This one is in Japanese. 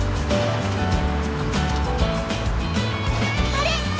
あれ！